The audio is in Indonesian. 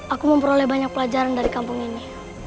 aku memperoleh banyak pelajaran dari kampung ini